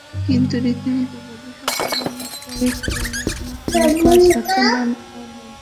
কিন্তু রীতিমতো গবেষণা চালানোর পরই কেবল নতুন কোনো কাজ হাতে নেন অমল।